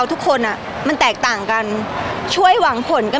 พี่ตอบได้แค่นี้จริงค่ะ